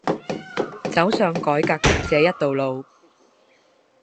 走上改革的這一條路